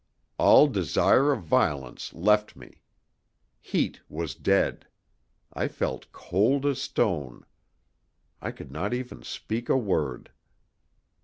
All desire of violence left me. Heat was dead; I felt cold as stone. I could not even speak a word.